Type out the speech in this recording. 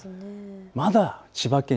まだ千葉県